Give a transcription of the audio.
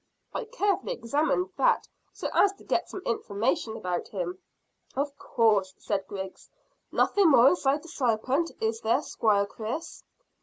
"I carefully examined that so as to get some information about him." "Of course," said Griggs. "Nothing more inside the sarpent, is there, Squire Chris?"